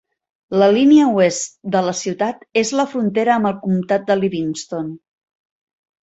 La línia oest de la ciutat és la frontera amb el comtat de Livingston.